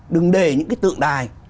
đừng để những cái tượng đài